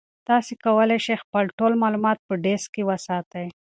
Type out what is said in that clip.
تاسي کولای شئ خپل ټول معلومات په ډیسک کې وساتئ.